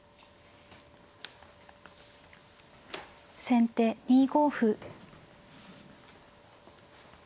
先手２五歩。